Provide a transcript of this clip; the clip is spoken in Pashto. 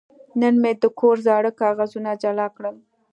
نن مې د کور زاړه کاغذونه جلا کړل.